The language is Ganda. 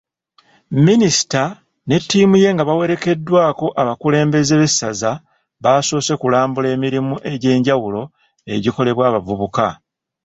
Minisita ne ttiimu ye nga bawerekeddwako abakulembeze b'essaza, basoose kulambula emirimu egy'enjawulo egikolebwa abavubuka.